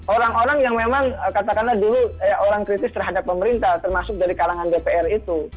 orang orang yang memang katakanlah dulu orang kritis terhadap pemerintah termasuk dari kalangan dpr itu